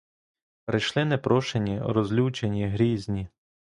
Прийшли непрошені, розлючені, грізні.